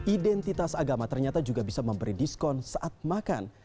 identitas agama ternyata juga bisa memberi diskon saat makan